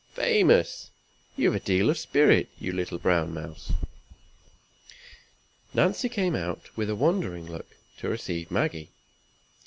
Famous! you've a deal of spirit, you little brown mouse." Nancy came out, with a wondering look, to receive Maggie.